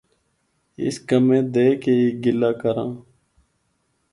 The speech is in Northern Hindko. اس کمے دے کہ ہی گلا کراں۔